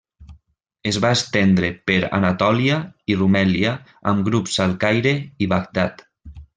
Es va estendre per Anatòlia i Rumèlia amb grups al Caire i Bagdad.